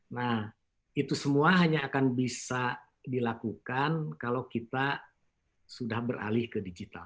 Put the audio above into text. nah itu semua hanya akan bisa dilakukan kalau kita sudah beralih ke digital